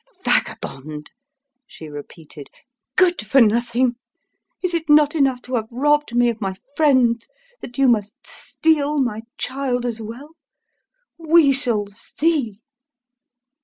"Vagabond!" she repeated. "Good for nothing! Is it not enough to have robbed me of my friends, that you must steal my child as well? We shall see!"